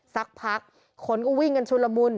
สักพักคนก็วิ่งกันชุลมุน